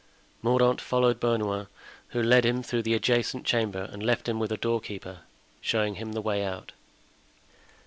Mordaunt followed Bernouin, who led him through the adjacent chamber and left him with a doorkeeper, showing him the way out.